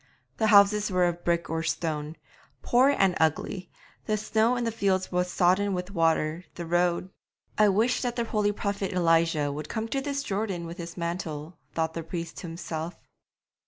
The houses were of brick or stone, poor and ugly; the snow in the fields was sodden with water; the road 'I wish that the holy prophet Elijah would come to this Jordan with his mantle,' thought the priest to himself.